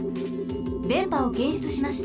でんぱをけんしゅつしました。